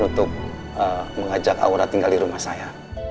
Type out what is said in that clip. untuk mengajak aura tinggal di rumah saya